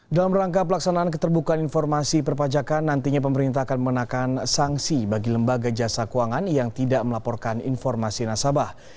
dalam rangka pelaksanaan keterbukaan informasi perpajakan nantinya pemerintah akan mengenakan sanksi bagi lembaga jasa keuangan yang tidak melaporkan informasi nasabah